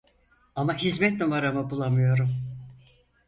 Ama hizmet numaramı bulamıyorum